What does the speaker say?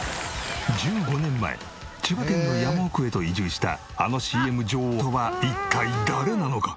１５年前千葉県の山奥へと移住したあのＣＭ女王とは一体誰なのか？